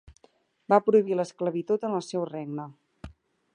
Va prohibir l'esclavitud en el seu regne.